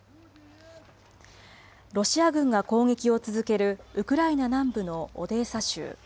ロシア軍が攻撃を続けるウクライナ南部のオデーサ州。